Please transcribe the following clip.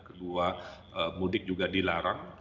kedua mudik juga dilarang